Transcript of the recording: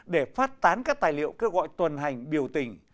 để phát tán các tài liệu kêu gọi tuần hành biểu tình